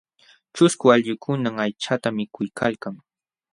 Ćhusku allqukunam aychata mikuykalkan.